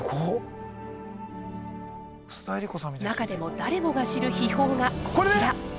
中でも誰でも知る秘宝がこちら。